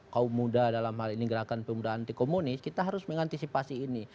kaum muda dalam hal ini gerakan pemuda anti komunis kita harus mengantisipasi ini